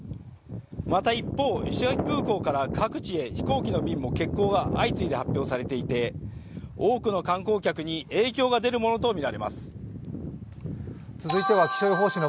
また、一方、石垣空港から各地へ飛行機の便も相次いで欠航が発表されていて、多くの観光客に影響が出るものとみられます。